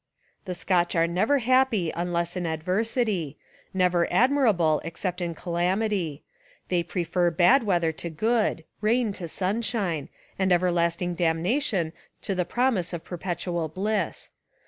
The Scotch are never happy unless in adversity, never admlra 308 A Rehahilitation of Charles II ble except In calamity. They prefer bad weather to good, rain to sunshine, and ever lasting damnation to the promise of perpetual bliss.